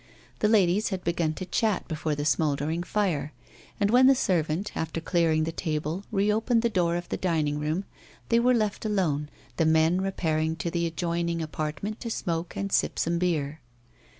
The ladies had begun to chat before the smouldering fire; and when the servant, after clearing the table, reopened the door of the dining room, they were left alone, the men repairing to the adjoining apartment to smoke and sip some beer.